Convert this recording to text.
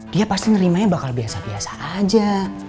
dia pasti nerimanya bakal biasa biasa aja